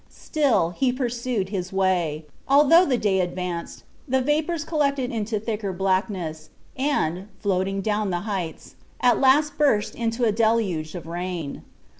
Still he pursued his way, although, the day advanced, the vapors collected into thicker blackness, and, floating down the heights, at last burst into a deluge of rain.